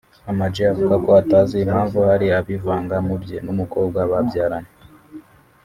Ama-G avuga ko atazi impamvu hari abivanga mu bye n’umukobwa babyaranye